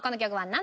何？